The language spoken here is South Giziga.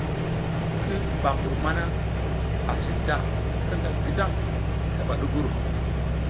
Ki ɓa mbur mana a cinta, hirƞga ngidang kaɓa ɗugur.